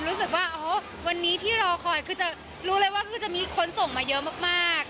รู้สึกว่าวันนี้ที่รอคอยรู้เลยว่าจะมีคนส่งมาเยอะมาก